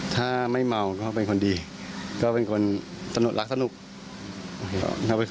ถ้าไม่เมาก็เป็นคนดีก็เป็นคนสนุกรักสนุก